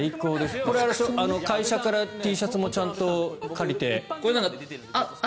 これ、会社からＴシャツもちゃんと借りて。